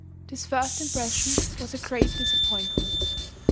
This first impression was a great disappointment.